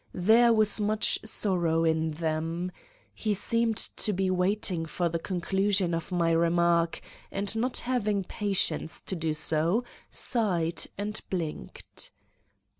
There was much sorrow in them. He seemed to be waiting for the conclusion of my remark, and not having patience to do so, sighed and blinked.